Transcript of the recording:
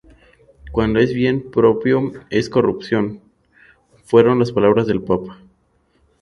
Cuando es bien propio es corrupción"", fueron las palabras del Papa.